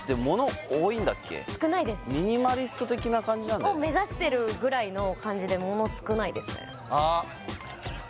ミニマリスト的な感じなんだよねを目指してるぐらいの感じで物少ないですねあっ